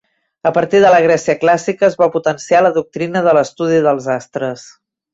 A partir de la Grècia clàssica es va potenciar la doctrina de l'estudi dels astres.